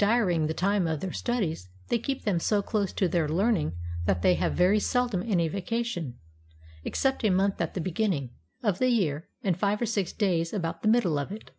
Diaring the time of their studies they keep them so close to their learning that they have very seldom any vacation, except a month at the beginning of the year and five or six days about the middle of it.